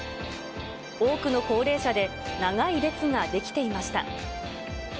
多くの高齢者で長い列が出来ていました。